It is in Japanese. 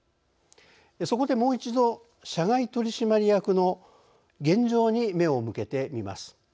そこでもう一度社外取締役の現状に目を向けてみます。